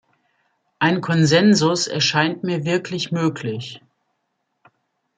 Ein Konsensus erscheint mir wirklich möglich.